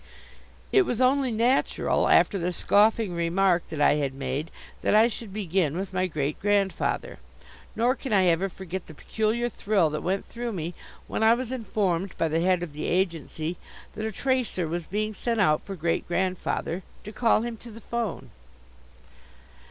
It was only natural, after the scoffing remark that I had made, that I should begin with my great grandfather. Nor can I ever forget the peculiar thrill that went through me when I was informed by the head of the agency that a tracer was being sent out for Great grandfather to call him to the phone.